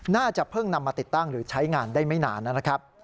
น่าจะเพิ่งนำมาติดตั้งหรือใช้งานได้ไม่นานนะครับ